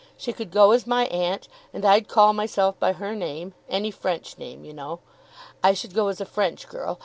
She could go as my aunt, and I'd call myself by her name; any French name you know. I should go as a French girl.